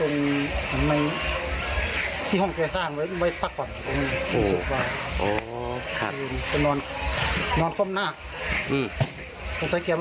ลองปรองงาก